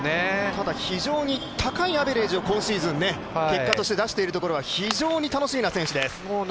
ただ非常に高いアベレージを今シーズン結果として出しているところは非常に楽しみな選手です。